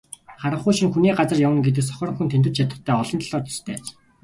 Харанхуй шөнө хүний газар явна гэдэг сохор хүн тэмтэрч ядахтай олон талаар төстэй аж.